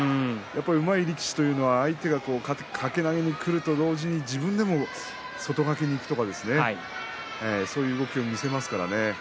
うまい力士というのは相手が掛け投げにくると同時に自分でも外掛けにいくとかそういう動きを見せますからね。